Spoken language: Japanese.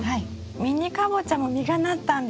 ミニカボチャも実がなったんです。